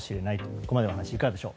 ここまでの話、いかがでしょう。